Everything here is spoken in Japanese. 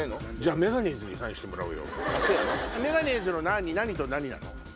メガネーズの何と何なの？